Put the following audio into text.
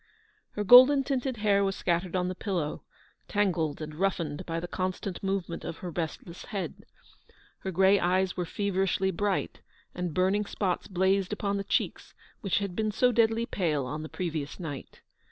Her golden tinted hair was scattered on the pillow, tangled and roughened by the constant movement of her restless head. Her grey eyes were feverishly bright, and burning spots blazed upon the cheeks which had been so deadly pale on the previous night.